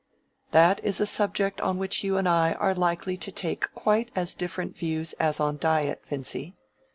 "That is a subject on which you and I are likely to take quite as different views as on diet, Vincy."